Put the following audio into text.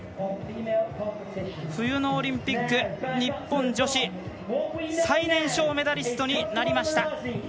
冬のオリンピック日本女子最年少メダリストになりました。